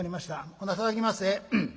ほなたたきまっせ。